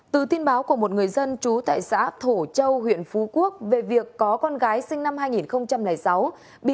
từ tin báo của một người dân trú tại xã thổ châu huyện phú quốc về việc có con gái sinh năm hai nghìn sáu